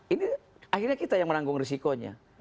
ini akhirnya kita yang menanggung risikonya